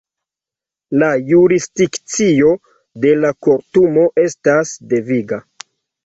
La jurisdikcio de la Kortumo estas deviga.